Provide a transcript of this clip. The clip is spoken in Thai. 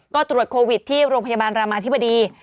ก็ตรวจโควิดที่โรงพยาบาลรามาธิบดี